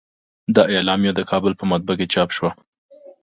دا اعلامیه د کابل په مطبعه کې چاپ شوه.